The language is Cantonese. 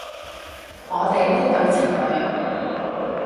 我哋呢對情侣